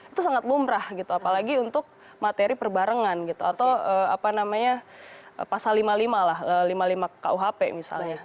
itu sangat lumrah gitu apalagi untuk materi perbarengan gitu atau apa namanya pasal lima puluh lima lah lima puluh lima kuhp misalnya